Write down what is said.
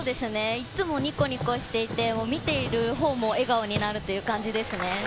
いつもニコニコしていて見ているほうも笑顔になるという感じですね。